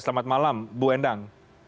selamat malam ibu endang